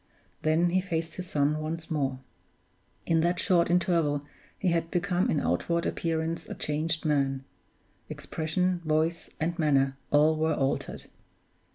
Then he faced his son once more. In that short interval he had become in outward appearance a changed man; expression, voice, and manner, all were altered.